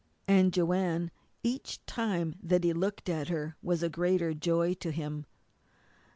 And Joanne, each time that he looked at her, was a greater joy to him.